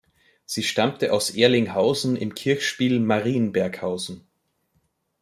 Sie stammte aus Erlinghausen im Kirchspiel Marienberghausen.